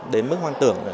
đến mức hoang tưởng